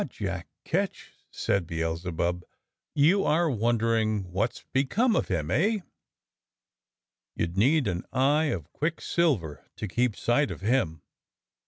Jack Ketch," said Beelzebub, "you are wondering wot's be come of him, eh? You'd need an eye of quicksilver 198 DOCTOR SYN to keep sight of him.